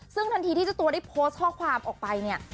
ซึ่งทันทีที่เจ้าตัวได้โพสต์ข้อความออกไปเนี่ย